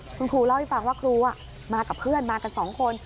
คุณครูเล่าให้ฟังว่าครูมากับเพื่อนมากันสองคน